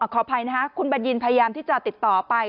ขออภัยนะคะคุณบัญญินพยายามที่จะติดต่อไป